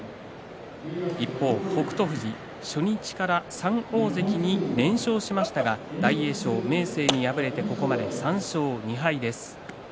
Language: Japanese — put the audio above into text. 一方の北勝富士初日から３大関に連勝しましたが大栄翔、明生に敗れてここまで３勝２敗。